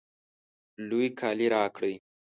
لوی کالی راکړئ